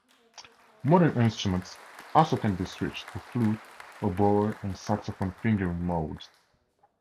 Modern instruments also can be switched to flute, oboe, and saxophone fingering modes.